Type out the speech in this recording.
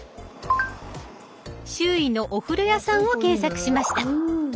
周囲のお風呂屋さんを検索しました。